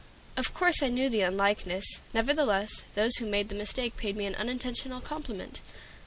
Of course I knew the unlikeness; nevertheless, those who made the mistake paid me an unintentional compliment.